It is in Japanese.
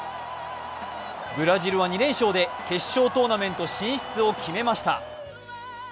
ブラジルは２連勝で決勝トーナメント進出を決めました。